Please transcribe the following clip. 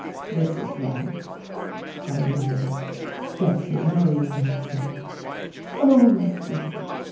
"This is life," I murmured, scarcely knowing what I said. "Oh, my dear!"